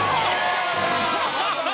ハハハハハ。